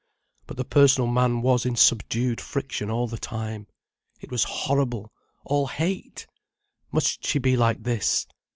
But the personal man was in subdued friction all the time. It was horrible—all hate! Must she be like this?